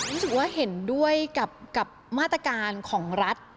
รู้สึกว่าเห็นด้วยกับมาตรการของรัฐ